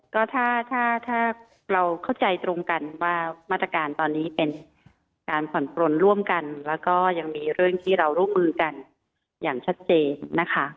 ก็ถ้าถ้าเราเข้าใจตรงกันว่ามาตรการตอนนี้เป็นการผ่อนปลนร่วมกันแล้วก็ยังมีเรื่องที่เราร่วมมือกันอย่างชัดเจนนะคะ